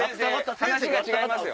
話が違いますよ。